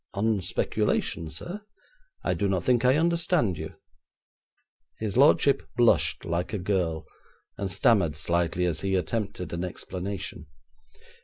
'On speculation, sir? I do not think I understand you.' His lordship blushed like a girl, and stammered slightly as he attempted an explanation.